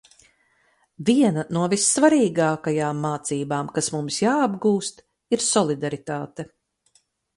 Viena no vissvarīgākajām mācībām, kas mums jāapgūst, ir solidaritāte.